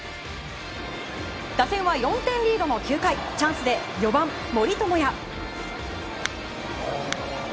打線は４点リードの９回、チャンスで４番森友哉。